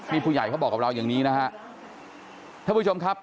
นี่ผู้ใหญ่เขาบอกกับเราอย่างนี้นะฮะท่านผู้ชมครับ